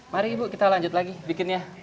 mari ibu kita lanjut lagi bikin ya